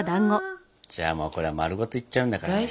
じゃあもうこれは丸ごといっちゃうんだからね。